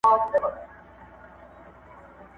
زه د هیچا پروا نکوم